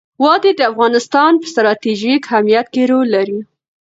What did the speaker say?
وادي د افغانستان په ستراتیژیک اهمیت کې رول لري.